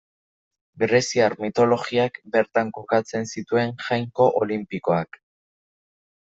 Greziar mitologiak bertan kokatzen zituen jainko olinpikoak.